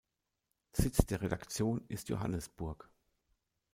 Sitz der Redaktion ist Johannesburg.